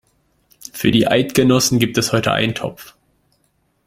Für die Eidgenossen gibt es heute Eintopf.